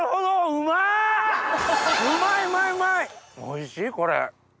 おいしいこれ！